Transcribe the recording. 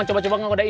mau beli apa lagi